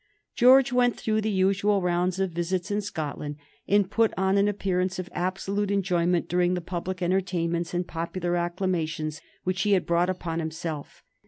George went through the usual rounds of visits in Scotland, and put on an appearance of absolute enjoyment during the public entertainments and popular acclamations which he had brought upon himself.